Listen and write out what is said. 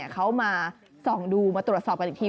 เขามาส่องดูมาตรวจสอบกันอีกที